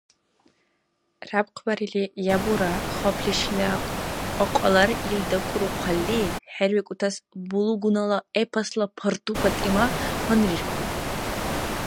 Рябхъбарили ябура, хапли шила кьакьалар ил дакӀурухъалли, хӀербикӀутас булугунала эпосла ПартӀу ПатӀима гьанриркур.